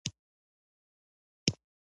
کېله د روژه ماتي لپاره هم مناسبه ده.